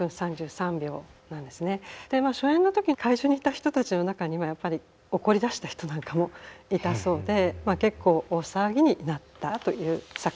初演の時会場にいた人たちの中にはやっぱり怒りだした人なんかもいたそうで結構大騒ぎになったという作品です。